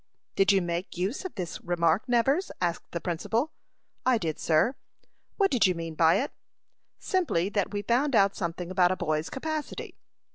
"Did you make use of this remark, Nevers?" asked the principal. "I did, sir." "What did you mean by it?" "Simply that we found out something about a boy's capacity."